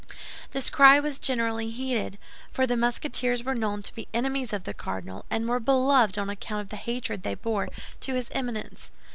This cry was generally heeded; for the Musketeers were known to be enemies of the cardinal, and were beloved on account of the hatred they bore to his Eminence.